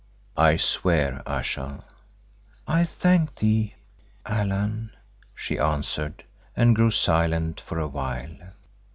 "I swear, Ayesha." "I thank thee, Allan," she answered, and grew silent for a while.